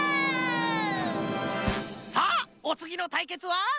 さあおつぎのたいけつは？